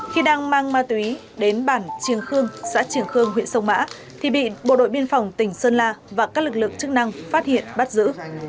khi đang mang ma túy đến bản trường khương xã trường khương huyện sông mã thì bị bộ đội biên phòng tỉnh sơn la và các lực lượng chức năng phát hiện bắt giữ